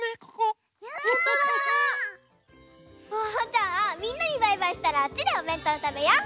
じゃあみんなにバイバイしたらあっちでおべんとうたべよう。